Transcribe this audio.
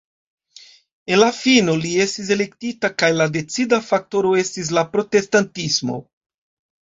En la fino, li estis elektita kaj la decida faktoro estis la protestantismo.